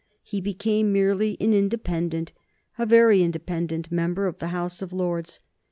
He became merely an independent, a very independent, member of the House of Lords.